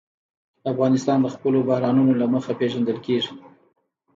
افغانستان د خپلو بارانونو له مخې پېژندل کېږي.